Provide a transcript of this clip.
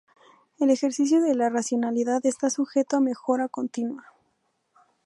El ejercicio de la racionalidad está sujeto a mejora continua.